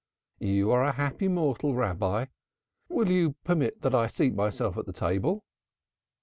You are a happy mortal, Rabbi. You will permit that I seat myself at the table?"